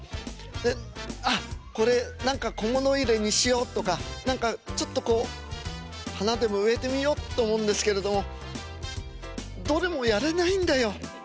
で「ああこれ何か小物入れにしよう」とか何かちょっとこう花でも植えてみようっと思うんですけれどもどれもやらないんだよ。